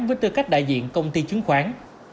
với tư cách đại diện công ty chứng khoán